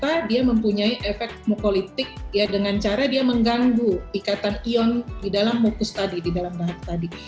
karena dia mempunyai efek mukolitik ya dengan cara dia mengganggu ikatan ion di dalam mukus tadi di dalam bahasa tadi